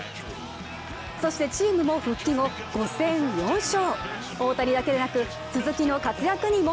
そしてチームも、復帰後５戦４勝。